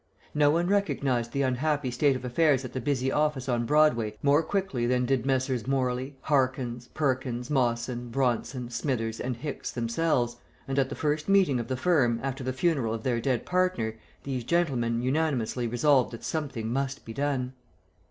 No one recognized the unhappy state of affairs at the busy office on Broadway more quickly than did Messrs. Morley, Harkins, Perkins, Mawson, Bronson, Smithers, and Hicks themselves, and at the first meeting of the firm, after the funeral of their dead partner, these gentlemen unanimously resolved that something must be done.